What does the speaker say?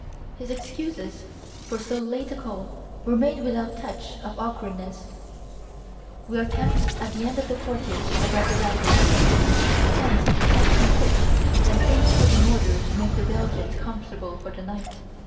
His excuses for so late a call were made without touch of awkwardness. "We are camped at the end of the portage above the rapids. The tent had to be pitched and things put in order to make the Belgians comfortable for the night.